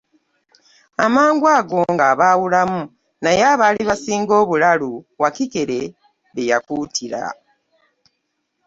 Amangu ago ng'abaawulamu naye abaali basinga obulalu Wakikere be yakuutira.